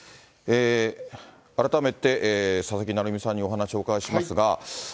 改めて、佐々木成三さんにお話をお伺いしますが。